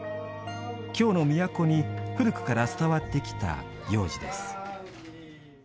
京の都に古くから伝わってきた行事です。